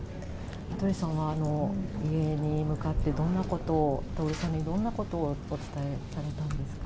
名取さんは、遺影に向かってどんなことを、徹さんにどんなことをお伝えされたんですか？